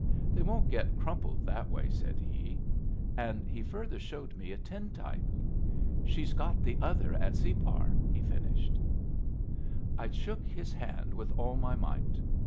"They won't get crumpled that way," said he; and he further showed me a tintype. "She's got the other at Separ," he finished. I shook his hand with all my might.